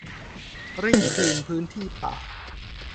เร่งคืนพื้นที่ป่า